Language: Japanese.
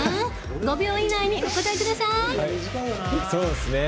５秒以内にお答えください。